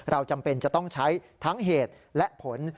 จำเป็นจะต้องใช้ทั้งเหตุและผล